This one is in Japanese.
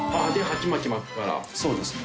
そうですね。